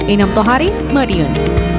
inam tohari mediun